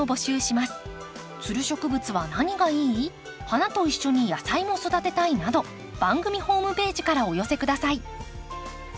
花と一緒に野菜も育てたいなど番組ホームページからお寄せ下さい。